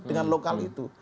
dengan lokal itu